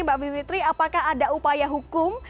mbak b fitri apakah ada upaya hukum